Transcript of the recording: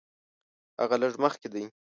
هغه لږ مخکې دی.